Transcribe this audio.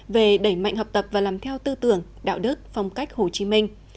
về đẩy mạnh học tập và làm theo tư tưởng đạo đức phong cách hồ chí minh